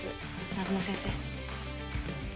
南雲先生